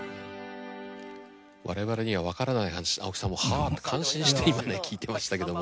我々には分からない話で青木さんも「はあ」って感心して今ね聞いてましたけども。